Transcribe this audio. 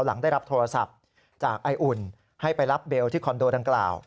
หลังได้รับโทรศัพท์จากไออุ่นให้ไปรับเบลที่คอนโดดังกล่าว